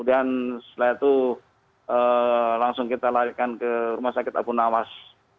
dan setelah itu langsung kita larikan ke rumah sakit abu nawas